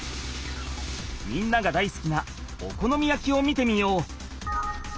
みんながだいすきなお好み焼きを見てみよう！